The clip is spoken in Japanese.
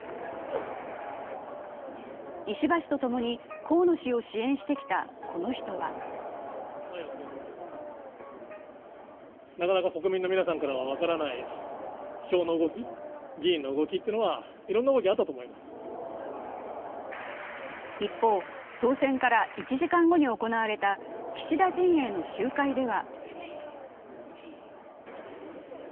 石破氏とともに河野氏を支援してきた、この人は一方、当選から１時間後に行われた岸田陣営の集会では。